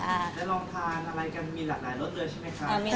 แล้วร้องทานอะไรกันมีหลายรสด้วยใช่มั้ยคะ